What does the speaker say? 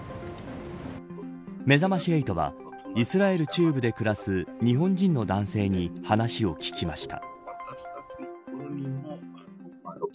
めざまし８はイスラエル中部で暮らす日本人の男性に話を聞きました。